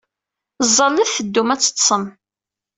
Ẓẓallet, teddum ad teḍḍsem.